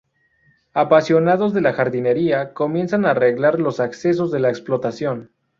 Apasionados de la jardinería, comienzan a arreglar los accesos de la explotación.